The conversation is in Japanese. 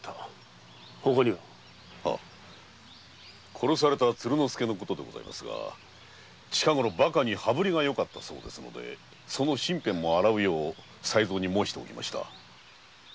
殺された鶴之助は近ごろばかに羽振がよかったそうでその身辺も洗うように才三に申しておきました。